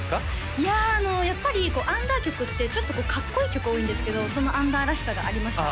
いややっぱりこうアンダー曲ってちょっとかっこいい曲多いんですけどそのアンダーらしさがありましたね